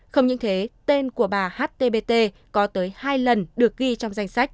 không những thế tên của bà htbt có tới hai lần được ghi trong danh sách